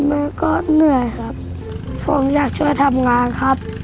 แม่ก็เหนื่อยครับผมอยากช่วยทำงานครับ